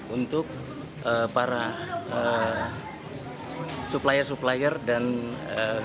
untuk para supplier supplier dan ee